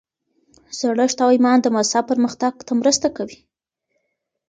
زړښت او ایمان د مذهب پرمختګ ته مرسته کوي.